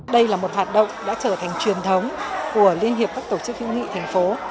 đây là một hoạt động đã trở thành truyền thống của liên hiệp các tổ chức hữu nghị thành phố